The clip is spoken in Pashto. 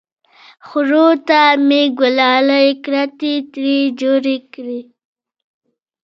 خرو ته مې ګلالۍ کتې ترې جوړې کړې!